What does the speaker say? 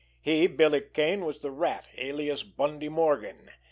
He, Billy Kane, was the Rat, alias Bundy Morgan!